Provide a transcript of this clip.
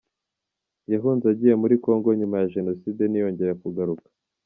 Yahunze agiye muri Congo nyuma ya jenoside ntiyongera kugaruka.